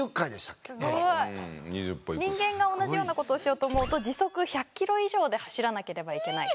人間が同じようなことをしようと思うと時速１００ｋｍ以上で走らなければいけない。